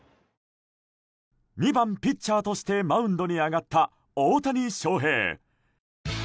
２番ピッチャーとしてマウンドに上がった大谷選手。